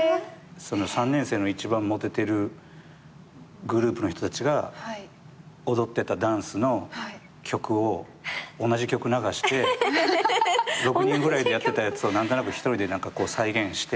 ３年生の一番モテてるグループの人たちが踊ってたダンスの曲を同じ曲流して６人ぐらいでやってたやつを何となく１人で再現して。